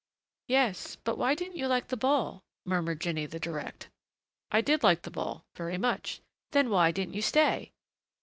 "Yes; but why didn't you like the ball?" murmured Jinny the direct. "I did like the ball. Very much." "Then why didn't you stay?"